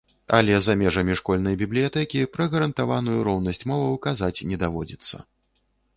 Але за межамі школьнай бібліятэкі пра гарантаваную роўнасць моваў казаць не даводзіцца.